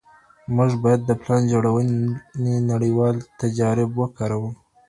موږ بايد د پلان جوړوني نړيوال تجارب وکاروو.